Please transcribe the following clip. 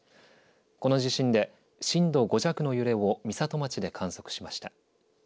この地震で震度５弱の揺れを美里町で観測しました。